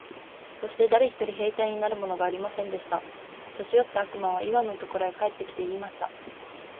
そして誰一人兵隊になるものがありませんでした。年よった悪魔はイワンのところへ帰って来て、言いました。